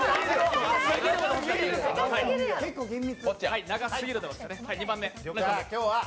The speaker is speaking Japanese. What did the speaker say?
結構、厳密。